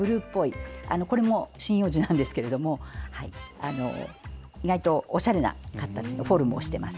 これも針葉樹なんですが意外とおしゃれな形フォルムをしています。